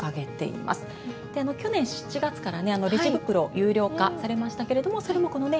去年７月からねレジ袋有料化されましたけれどもそれもこのね